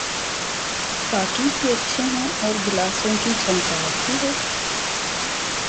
ساقی بھی اچھے ہوں اور گلاسوں کی جھنکار بھی ہو۔